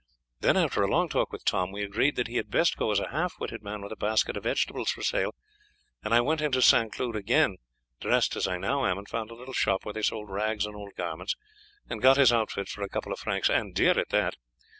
Then after a long talk with Tom we agreed that he had best go as a half witted man with a basket of vegetables for sale, and I went into St. Cloud again, dressed as I now am, and found a little shop where they sold rags and old garments, and got his outfit for a couple of francs, and dear at that.